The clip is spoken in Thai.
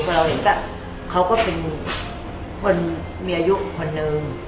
เราเองก็เขาก็เป็นคนมีอายุคนนึง